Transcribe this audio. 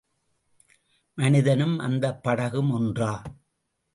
மனிதனும் அந்தப் படகும் ஒன்றா?